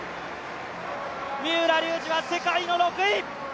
三浦龍司は世界の６位！